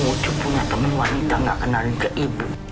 kamu ucup punya temen wanita gak kenalin ke ibu